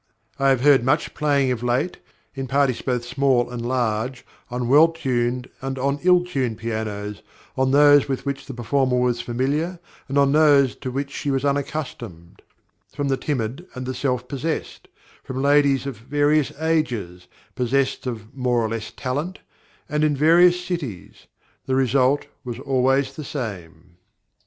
I have heard much playing of late, in parties both small and large, on well tuned and on ill tuned pianos, on those with which the performer was familiar, and on those to which she was unaccustomed; from the timid and the self possessed; from ladies of various ages, possessed of more or of less talent, and in various cities: the result was always the same.